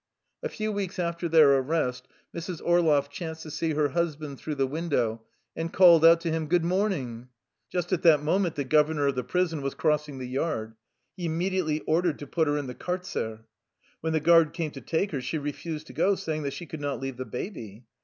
A few weeks after their arrest, Mrs. Orloff chanced to see her husband through the window, and called out to him, " Good morning !" Just at that moment the governor of the prison was crossing the yard. He immediately ordered to put her in the kartzer. When the guard came to take her she refused to go, saying that she could not leave the baby.